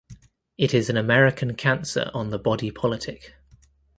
It is an American cancer on the body politic.